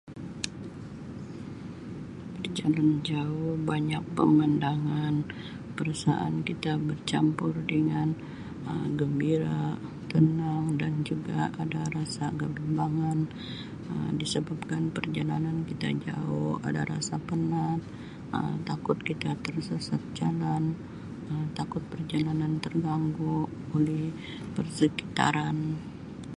Berjalan jauh banyak pemandangan perasaan kita bercampur dengan Um gembira, tenang dan juga ada rasa kebimbangan Um disebabkan perjalanan kita jauh ada rasa penat Um takut kita tersesat jalan Um takut perjalanan terganggu oleh persekitaran.